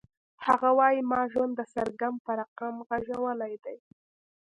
هغه وایی ما ژوند د سرګم په رقم غږولی دی